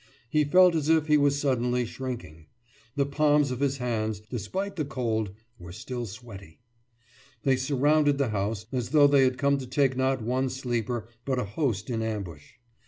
He felt as if he was suddenly shrinking. The palms of his hands, despite the cold, were still sweaty. They surrounded the house as though they had come to take not one sleeper but a host in ambush.